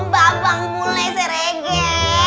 bapak mulai serege